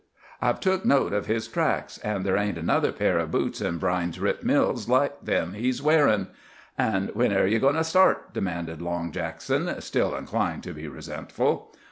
I've took note of his tracks, and there ain't another pair o' boots in Brine's Rip Mills like them he's wearin'." "And when air ye goin' to start?" demanded Long Jackson, still inclined to be resentful.